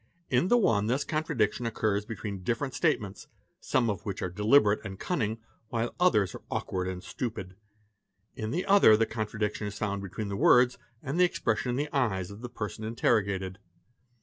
In the one this contradiction occurs between different statements, some of which are deliberate and cunning, while others are awkward and stupid. In the other the contradiction is found between the _ words and the expression in the eyes of the person interrogated.